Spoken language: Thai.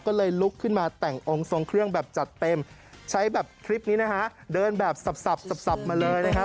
ต้องแบบจัดเต็มใช้แบบคลิปนี้นะฮะเดินแบบสับมาเลยนะฮะ